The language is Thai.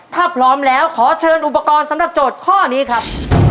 ถ้าพร้อมแล้วขอเชิญอุปกรณ์สำหรับโจทย์ข้อนี้ครับ